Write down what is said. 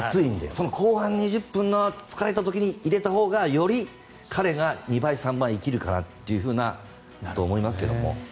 その後半２０分、疲れた時に入れたほうがより彼が２倍、３倍生きるかなと思いますけども。